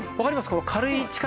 この軽い力で。